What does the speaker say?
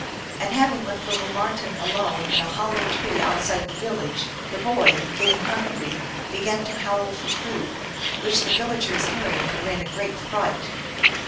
And having left lit tle Marten alone in a hollow tree outside the village, the boy, getting hungry, began to howl for food ; which the villagers hearing were in a great fright.